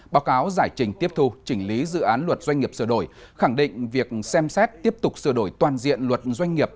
báo cáo giải trình tiếp thu chỉnh lý dự án luật doanh nghiệp sửa đổi khẳng định việc xem xét tiếp tục sửa đổi toàn diện luật doanh nghiệp